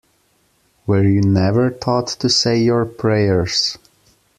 Were you never taught to say your prayers?